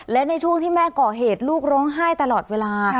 และในช่วงที่แม่ก่อเหตุลูกร้องไห้ตลอดเวลา